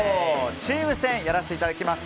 チーム戦やらせていただきます。